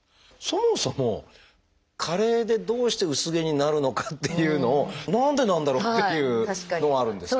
そもそも加齢でどうして薄毛になるのかっていうのを何でなんだろうっていうのはあるんですけれども。